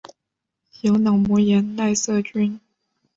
由脑膜炎奈瑟菌。